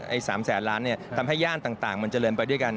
ไอ้๓๐๐ล้านทำให้ย่านต่างมันเจริญไปด้วยกัน